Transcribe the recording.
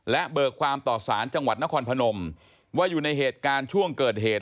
และเบิกความต่อสารจังหวัดนครพนมว่าอยู่ในเหตุการณ์ช่วงเกิดเหตุ